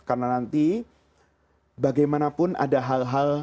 karena nanti bagaimanapun ada hal hal